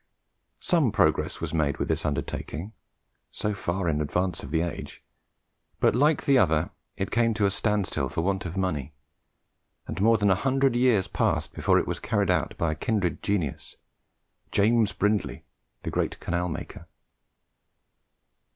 Some progress was made with this undertaking, so far in advance of the age, but, like the other, it came to a stand still for want of money, and more than a hundred years passed before it was carried out by a kindred genius James Brindley, the great canal maker.